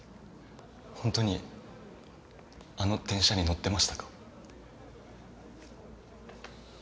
ほんとにあの電車に乗ってましたか？